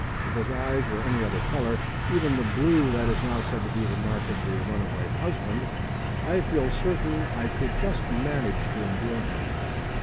If his eyes were any other colour even the blue that is now said to be the mark of the runaway husband I feel certain I could just manage to endure him.